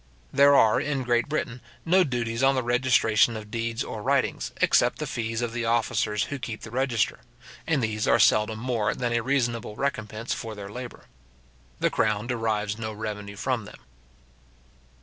There are, in Great Britain, no duties on the registration of deeds or writings, except the fees of the officers who keep the register; and these are seldom more than a reasonable recompence for their labour. The crown derives no revenue from them.